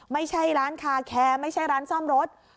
ไม่ใช่ร้านคาแคร์ไม่ใช่ร้านซ่อมรถ